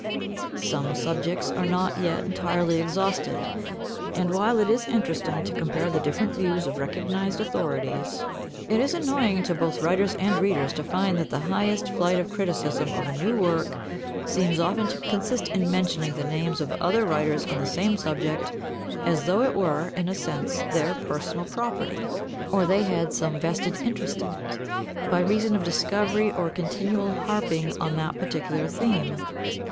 Some subjects are not yet entirely exhausted, and while it is interesting to compare the different views of recognised authorities, it is annoying to both writers and readers to find that the highest flight of criticism of a new work seems often to consist in mentioning the names of other writers on the same subject as though it were, in a sense, their personal property, or they had some vested interest in it, by reason of discovery or continual harping on that particular theme.